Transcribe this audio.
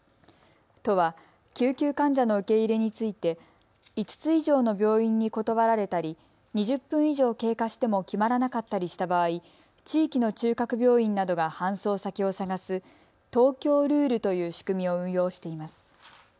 都は、救急患者の受け入れについて５つ以上の病院に断られたり２０分以上経過しても決まらなかったりした場合、地域の中核病院などが搬送先を探す東京ルールという仕組みを運用しています。